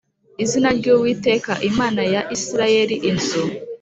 izina ry Uwiteka Imana ya Isirayeli inzu